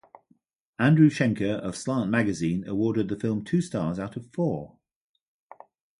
Andrew Schenker of "Slant Magazine" awarded the film two stars out of four.